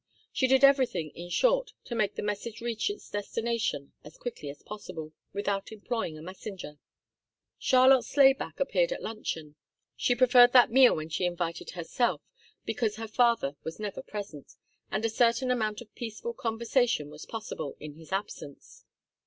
She did everything, in short, to make the message reach its destination as quickly as possible without employing a messenger. Charlotte Slayback appeared at luncheon. She preferred that meal when she invited herself, because her father was never present, and a certain amount of peaceful conversation was possible in his absence.